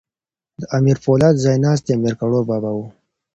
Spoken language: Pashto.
د امیر پولاد ځای ناستی امیر کروړ بابا وو.